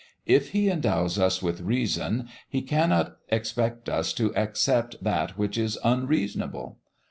If He endows us with reason, He cannot expect us to accept that which is unreasonable.